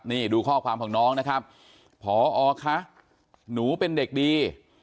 นี่ดูข้อความของน้องนะครับพอคะหนูเป็นเด็กดี